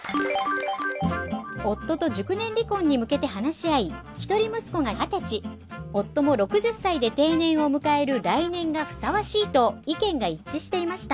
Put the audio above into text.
夫と熟年離婚に向けて話し合い一人息子が二十歳夫も６０歳で定年を迎える来年がふさわしいと意見が一致していました。